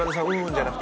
じゃなく